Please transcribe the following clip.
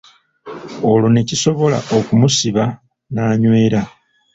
Olwo ne kisobola okumusiba n’anywera .